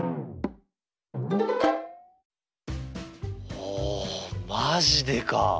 おおマジでか。